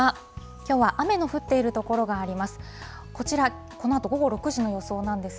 きょうは雨の降っている所があります。